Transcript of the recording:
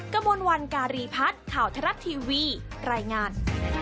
กระมวลวันการีพัฒน์ข่าวทรัฐทีวีรายงาน